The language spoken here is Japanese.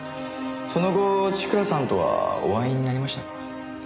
その後千倉さんとはお会いになりました？